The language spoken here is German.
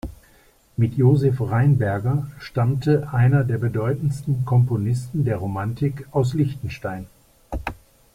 Mit Josef Rheinberger stammte einer der bedeutendsten Komponisten der Romantik aus Liechtenstein.